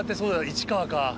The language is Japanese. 市川か。